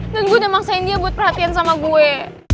dan gue udah maksain dia buat perhatian sama gue